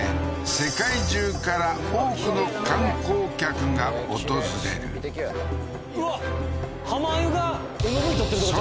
世界中から多くの観光客が訪れる神秘的やうわ浜あゆがＭＶ撮ってるとこちゃう？